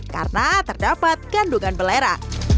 karena terdapat kandungan belera